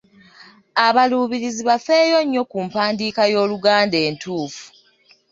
Abaluubirizi bafeeyo nnyo ku mpandiika y’Oluganda entuufu.